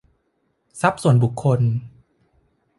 ทรัพย์ส่วนบุคคล